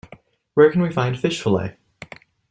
Where can we find fish fillet?